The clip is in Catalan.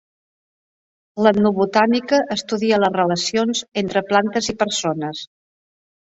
L'etnobotànica estudia les relacions entre plantes i persones